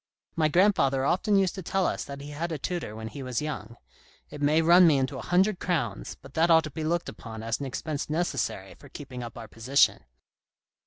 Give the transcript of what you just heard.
My grandfather often used to tell us that he had a tutor when he was young. It may run me into a hundred crowns, but that ought to be looked upon as an expense necessary tor keeping up our position."